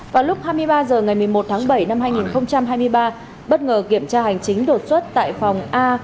vào lúc hai mươi ba h ngày một mươi một tháng bảy năm hai nghìn hai mươi ba bất ngờ kiểm tra hành chính đột xuất tại phòng a một nghìn chín trăm một mươi hai